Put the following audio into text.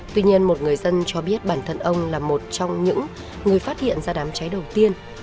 tuy nhiên một người dân cho biết bản thân ông là một trong những người phát hiện ra đám cháy đầu tiên